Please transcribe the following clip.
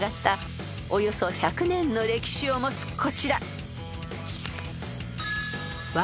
およそ１００年の歴史を持つこちら］